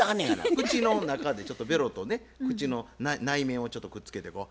口の中でちょっとべろと口の内面をちょっとくっつけてこう。